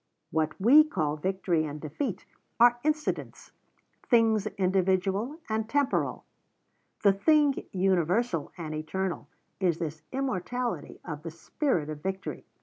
What we call victory and defeat are incidents things individual and temporal. The thing universal and eternal is this immortality of the spirit of victory.